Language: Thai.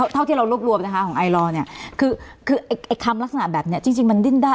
เท่าที่เรารวบรวมนะคะของไอลอร์เนี่ยคือไอ้คำลักษณะแบบนี้จริงมันดิ้นได้